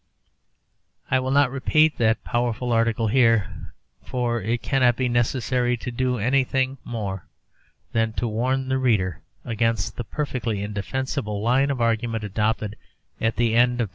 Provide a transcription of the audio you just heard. I will not repeat that powerful article here, for it cannot be necessary to do anything more than warn the reader against the perfectly indefensible line of argument adopted at the end of p.